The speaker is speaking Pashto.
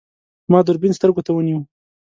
ما دوربین سترګو ته ونیو.